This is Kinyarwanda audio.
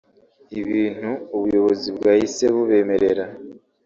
ibintu ubuyobozi bwahise bubemerera